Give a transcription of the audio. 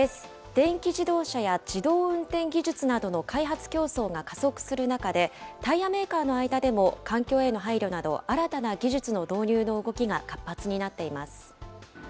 電気自動車や自動運転技術などの開発競争が加速する中で、タイヤメーカーの間でも、環境への配慮など、新たな技術の導入の動きが活発になっています。